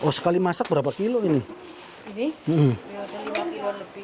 hai oh sekali masak berapa kilo ini ini ini